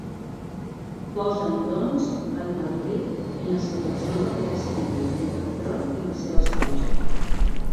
Posen doncs Amalric en la situació d'haver d'escollir entre el tron i la seva esposa.